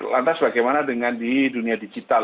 lantas bagaimana dengan di dunia digital